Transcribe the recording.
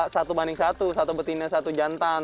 satu banding satu satu betina satu jantan